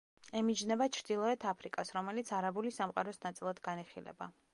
ემიჯნება ჩრდილოეთ აფრიკას, რომელიც არაბული სამყაროს ნაწილად განიხილება.